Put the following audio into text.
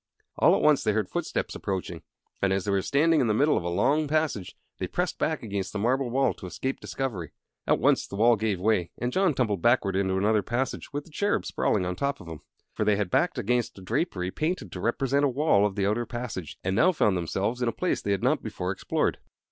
All at once they heard footsteps approaching; and, as they were standing in the middle of a long passage, they pressed back against the marble wall to escape discovery. At once the wall gave way, and John tumbled backward into another passage, with the Cherub sprawling on top of him. For they had backed against a drapery painted to represent a wall of the outer passage, and now found themselves in a place they had not before explored.